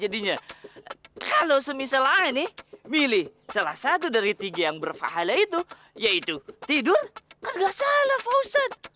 jadinya kalau semisalah ini milih salah satu dari tiga yang berfahala itu yaitu tidur kalau gak salah ustadz